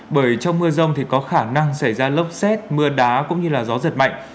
bởi trong mưa rông thì có khả năng xảy ra lốc xét mưa đá cũng như gió giật mạnh